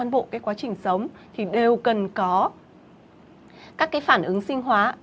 trong một cái quá trình sống thì đều cần có các cái phản ứng sinh hóa